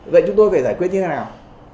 vậy chúng tôi phải giải quyết như thế nào